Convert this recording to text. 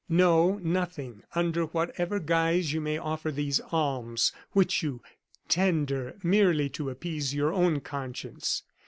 No, nothing, under whatever guise you may offer these alms which you tender merely to appease your own conscience.